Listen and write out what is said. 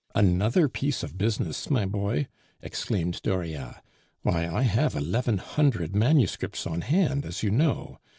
"Another piece of business, my boy!" exclaimed Dauriat. "Why, I have eleven hundred manuscripts on hand, as you know!